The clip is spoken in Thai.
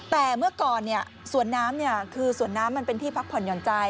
แต่เมื่อก่อนสวนน้ำคือสวนน้ำมันเป็นที่พักผ่อนหย่อนใจ